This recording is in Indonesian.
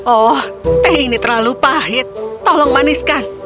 oh teh ini terlalu pahit tolong maniskan